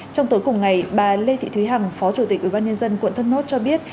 trong tối cùng ngày bà lê thị thúy hằng phó chủ tịch ủy ban nhân dân quận thuất nốt cho biết